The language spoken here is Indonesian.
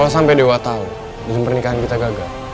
kalo sampe dewa tau belum pernikahan kita gagal